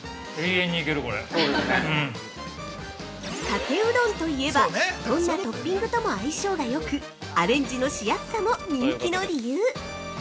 ◆かけうどんといえばどんなトッピングとも相性がよくアレンジのしやすさも人気の理由。